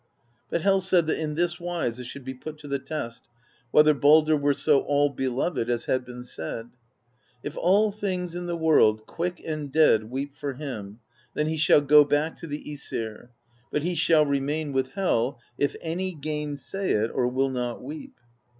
But Hel said that in this wise it should be put to the test, whether Baldr were so all be loved as had been said: 'If all things in the world, quick and dead, weep for him, then he shall go back to the JEs'iVy but he shall remain with Hel if any gainsay it or will not weep.'